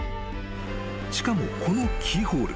［しかもこのキーホール］